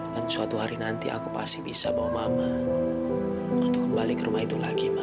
dan suatu hari nanti aku pasti bisa bawa mama untuk kembali ke rumah itu lagi ma